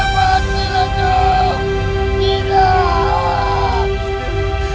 kau tak mau lewati